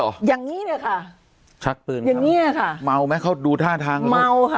อย่างนี้เลยค่ะชักปืนอย่างเงี้ยค่ะเมาไหมเขาดูท่าทางเมาค่ะ